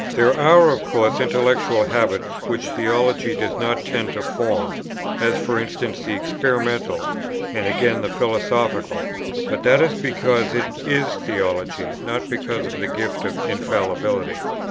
There are of course intellectual habits which theology does not tend to form, as for instance the experimental, and again the philosophical; but that is because it is theology, not because of the gift of infallibility.